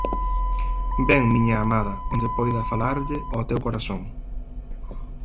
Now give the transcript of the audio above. Ven, miña amada, onde poida falarlle ao teu corazón.